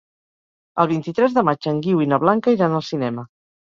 El vint-i-tres de maig en Guiu i na Blanca iran al cinema.